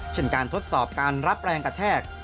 เช่นการทดสอบการรับแรงกระแทก